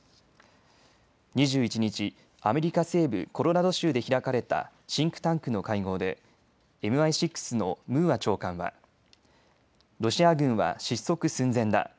２１日、アメリカ西部コロラド州で開かれたシンクタンクの会合でＭＩ６のムーア長官はロシア軍は失速寸前だ。